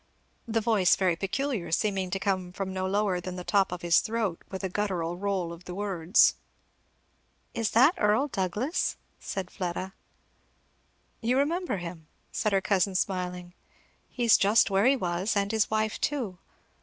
the voice very peculiar, seeming to come from no lower than the top of his throat, with a guttural roll of the words. "Is that Earl Douglass?" said Fleda. "You remember him?" said her cousin smiling. "He's just where he was, and his wife too.